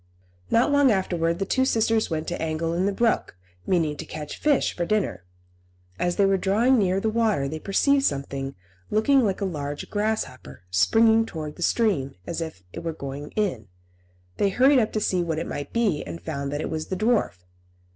Not long afterwards the two sisters went to angle in the brook, meaning to catch fish for dinner. As they were drawing near the water they perceived something, looking like a large grasshopper, springing towards the stream, as if it were going in. They hurried up to see what it might be, and found that it was the dwarf.